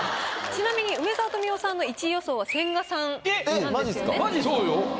ちなみに梅沢富美男さんの１位予想は千賀さんなんですよね。